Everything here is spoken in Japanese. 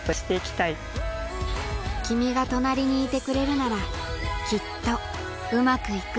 君が隣にいてくれるならきっとウマくいく